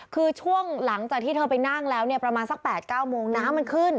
คือช่วงหลังจากที่เธอไปนั่งแล้วเนี่ยประมาณสัก๘๙โมงน้ำมันขึ้น